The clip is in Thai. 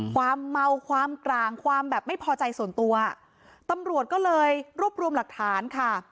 ความเมาความกลางความแบบไม่พอใจส่วนตัวตำรวจก็เลยรวบรวมหลักฐานค่ะ